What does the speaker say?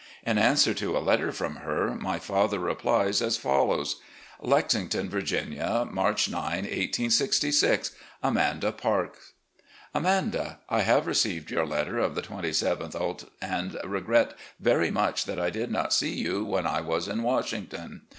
In answer to a letter from her, my father replies as follows: "Lexington, Virginia, March 9, 1866. ''Amanda Parks. ''Amanda: I have received your letter of the 27th ult., and regret very much that I did not see you when I was in Washington.